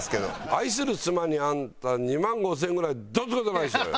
愛する妻にあんた２万５０００円ぐらいどうって事ないでしょうよ！